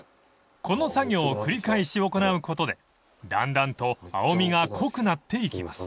［この作業を繰り返し行うことでだんだんと青みが濃くなっていきます］